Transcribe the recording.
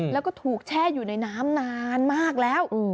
แล้วก็ถูกแช่อยู่ในน้ำนานมากแล้ว